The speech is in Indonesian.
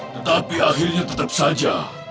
tetapi akhirnya tetap saja